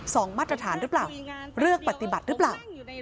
ส่องมาตรฐานรึเปล่าเลือกปฏิบัติรึเปล่า